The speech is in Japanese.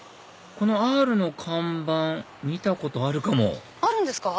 この「Ｒ」の看板見たことあるかもあるんですか？